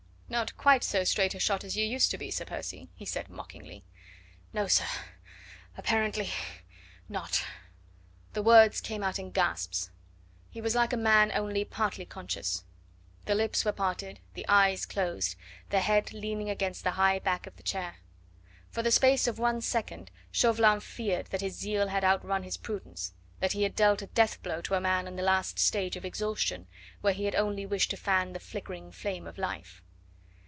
"Not quite so straight a shot as you used to be, Sir Percy," he said mockingly. "No, sir apparently not." The words came out in gasps. He was like a man only partly conscious. The lips were parted, the eyes closed, the head leaning against the high back of the chair. For the space of one second Chauvelin feared that his zeal had outrun his prudence, that he had dealt a death blow to a man in the last stage of exhaustion, where he had only wished to fan the flickering flame of life.